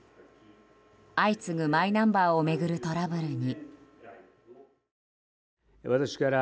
相次ぐ、マイナンバーを巡るトラブルに。